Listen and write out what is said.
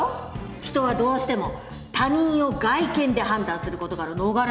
人はどうしても他人を外見で判断することから逃れられないでしょ。